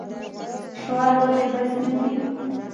شعار ولې بس نه دی؟